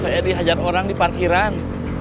saya dihajar orang di parkiran